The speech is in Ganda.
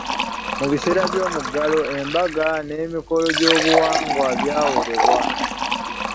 Mu biseera by'omuggalo, embaga n'emikolo gy'obuwangwa byawerebwa.